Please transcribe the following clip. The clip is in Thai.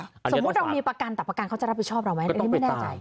สมมุติเรามีประกันแต่ประกันเขาจะรับผิดชอบเราไหมอันนี้ไม่แน่ใจ